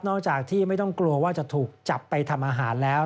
จากที่ไม่ต้องกลัวว่าจะถูกจับไปทำอาหารแล้ว